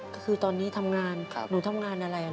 ก็คือตอนนี้ทำงานหนูทำงานอะไร